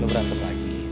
lo berantem lagi